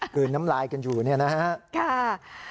กลืนน้ำลายกันอยู่เนี่ยนะฮะค่ะค่ะ